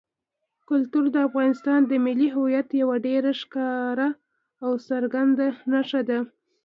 کلتور د افغانستان د ملي هویت یوه ډېره ښکاره او څرګنده نښه ده.